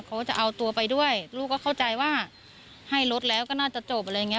จะเอาตัวไปด้วยลูกก็เข้าใจว่าให้รถแล้วก็น่าจะจบอะไรอย่างเง